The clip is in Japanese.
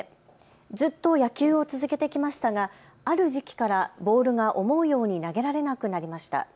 ずっと野球を続けてきましたがある時期からボールが思うように投げられなくなりました。